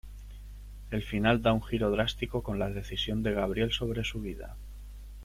El final da un giro drástico con la decisión de Gabriel sobre su vida.